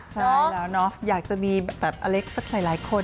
ใช่แล้วเนาะอยากจะมีแบบอเล็กสักหลายคน